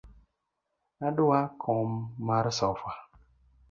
Adwa kom mar sofa.